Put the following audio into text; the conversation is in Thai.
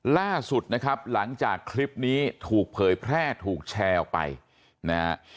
ล่าสุดนะครับหลังจากคลิปนี้ถูกเผยแพร่ถูกแชร์ออกไปนะฮะ